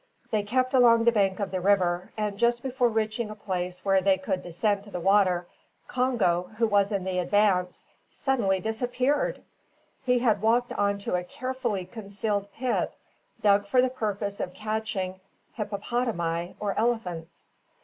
They kept along the bank of the river, and just before reaching a place where they would descend to the water, Congo, who was in the advance, suddenly disappeared! He had walked on to a carefully concealed pit, dug for the purpose of catching hippopotami or elephants.